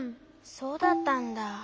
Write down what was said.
そうだったんだ。